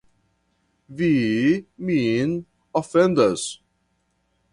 Vi min ofendas!